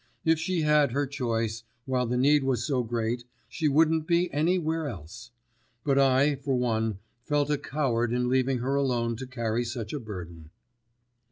If she had her choice, while the need was so great, she wouldn't be anywhere else. But I, for one, felt a coward in leaving her alone to carry such a burden.